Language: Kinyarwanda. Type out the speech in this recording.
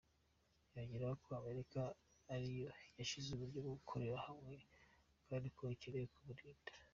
Yongeyeho ko Amerika ari yo yashinze uburyo bwo gukorera hamwe kandi ko ikeneye kuburinda.